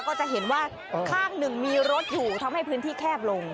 ก็จะเห็นว่าข้างหนึ่งมีรถอยู่ทำให้พื้นที่แคบลง